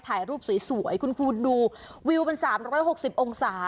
ถ่ายรูปสวยคุณดูวิวมัน๓๖๐องศา